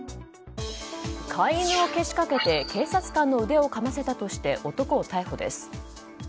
飼い犬をけしかけて警察官の腕をかませたとして男を逮捕です。